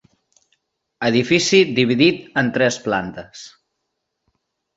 Edifici dividit en tres plantes.